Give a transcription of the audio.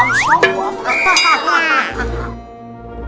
bukan kau tak perlu hati